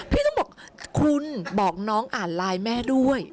พี่ต้องบอกคุณบอกน้องอ่านไลน์แม่ด้วย